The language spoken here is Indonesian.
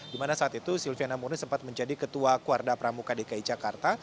di mana saat itu silviana murni sempat menjadi ketua kuarda pramuka dki jakarta